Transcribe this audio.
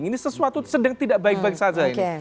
ini sesuatu sedang tidak baik baik saja ini